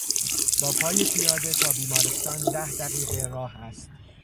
با پای پیاده تا بیمارستان ده دقیقه راه است.